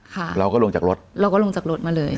ค่ะเราก็ลงจากรถเราก็ลงจากรถมาเลย